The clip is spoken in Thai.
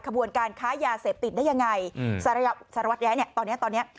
ขบวนการค้ายาเสพติดได้ยังไงอืมสารวัตรแย้เนี้ยตอนเนี้ยตอนเนี้ย